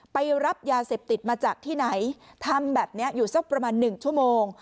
ไปรับยาเสพติดมาจากที่ไหนทำแบบนี้อยู่สักประมาณ๑ชั่วโมง